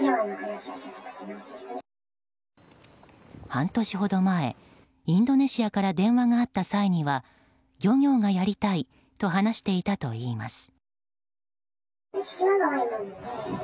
半年ほど前、インドネシアから電話があった際には漁業がやりたいと話していたといいます。